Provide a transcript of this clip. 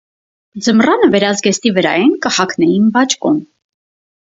Ձմռանը վերնազգեստի վրայէն կը հագնէին բաճկոն։